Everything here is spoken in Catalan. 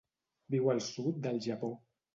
Viu al sud del Japó.